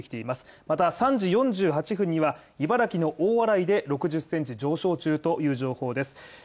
また３時４８分には茨城の大洗で６０センチ上昇中という情報です。